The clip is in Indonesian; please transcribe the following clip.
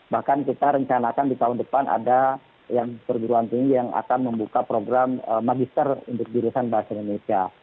bahkan kita rencanakan di tahun depan ada yang perguruan tinggi yang akan membuka program magister untuk jurusan bahasa indonesia